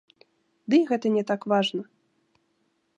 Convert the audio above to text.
Ды і гэта не так важна!